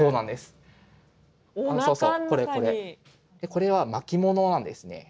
これは巻物なんですね。